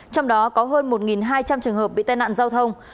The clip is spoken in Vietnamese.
trong đó có hơn một hai trăm linh trường hợp bị tai nạn giao thông